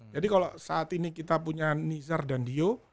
jadi kalau saat ini kita punya nizar dan dio